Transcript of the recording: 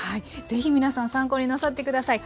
ぜひ皆さん参考になさって下さい。